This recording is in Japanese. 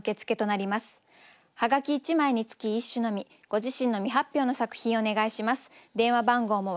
ご自身の未発表の作品をお願いします。